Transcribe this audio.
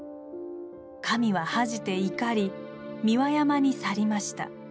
神は恥じて怒り三輪山に去りました。